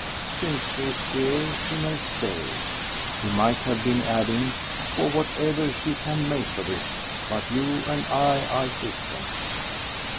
"Since she's here she may stay," he might have been adding "for whatever she can make of it. But you and I are different."